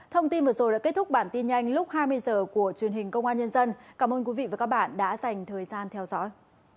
thông tin vừa rồi đã kết thúc bản tin nhanh lúc hai mươi h của truyền hình công an nhân dân cảm ơn quý vị và các bạn đã dành thời gian theo dõi